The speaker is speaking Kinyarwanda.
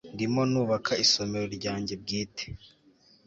ndimo nubaka isomero ryanjye bwite